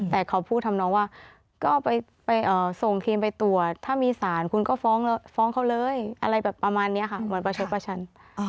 แต่เขาพูดทำนองว่าก็ไปส่งทีมไปตรวจถ้ามีสารคุณก็ฟ้องเขาเลยอะไรแบบประมาณนี้ค่ะเหมือนประชดประชัน